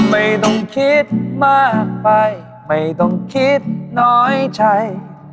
ไม่ต้องคิดมากไปไม่ต้องคิดน้อยใจ